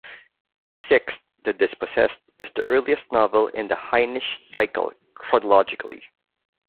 The sixth, "The Dispossessed", is the earliest novel in the Hainish Cycle, chronologically.